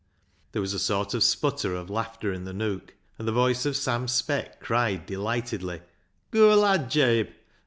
There was a sort of sputter of laughter in the nook, and the voice of Sam Speck cried deh'ghtedly —" Goo' lad, Jabe